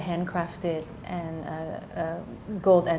yang diperbaiki dengan tangan